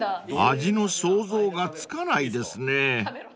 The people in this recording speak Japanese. ［味の想像がつかないですね］